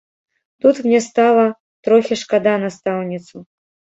Тут мне стала трохі шкада настаўніцу.